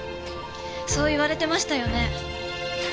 そう言われてましたよね？